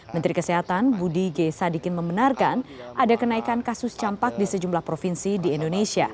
menteri kesehatan budi g sadikin membenarkan ada kenaikan kasus campak di sejumlah provinsi di indonesia